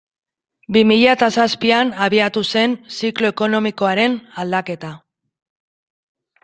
Bi mila eta zazpian abiatu zen ziklo ekonomikoaren aldaketa.